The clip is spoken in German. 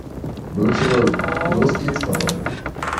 Null zu null. Los geht's Papa!